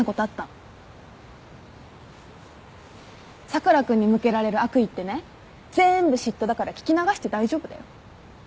佐倉君に向けられる悪意ってね全部嫉妬だから聞き流して大丈夫だよ。